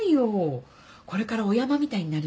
これからお山みたいになるんだよ。